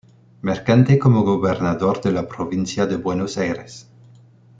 Mercante como gobernador de la provincia de Buenos Aires.